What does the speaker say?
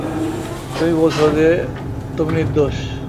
তুমি বলছ যে, তুমি নির্দোষ।